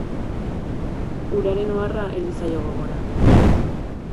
Uraren oharra heldu zaio gogora.